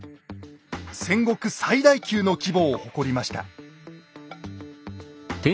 戦国最大級の規模を誇りました。